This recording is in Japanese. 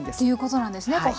ということなんですね。